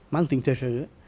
mang tính thời sở